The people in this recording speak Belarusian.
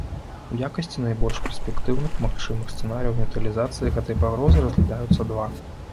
У якасці найбольш перспектыўных магчымых сцэнарыяў нейтралізацыі гэтай пагрозы разглядаюцца два.